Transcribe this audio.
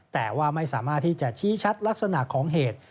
แต่ว่าไม่สามารถที่จะชี้ชัดลักษณะของเหตุ